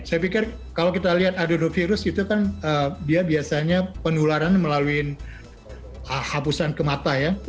saya pikir kalau kita lihat adenovirus itu kan dia biasanya penularan melalui hapusan ke mata ya